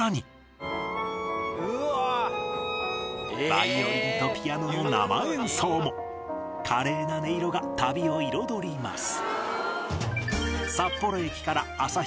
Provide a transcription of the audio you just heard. バイオリンとピアノの生演奏も華麗な音色が旅を彩ります